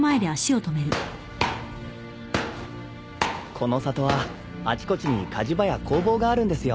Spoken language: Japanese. この里はあちこちに鍛治場や工房があるんですよ。